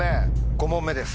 ５問目です。